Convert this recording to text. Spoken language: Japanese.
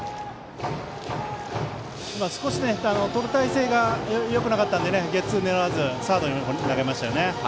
少し、とる体勢がよくなかったのでゲッツーを狙わずサードに投げましたね。